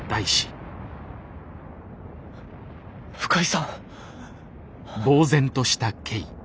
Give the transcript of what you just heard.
深井さん。